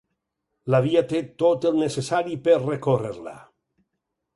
La via té tot el necessari per recórrer-la.